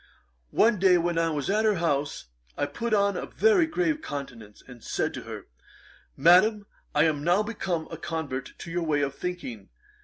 One day when I was at her house, I put on a very grave countenance, and said to her, "Madam, I am now become a convert to your way of thinking.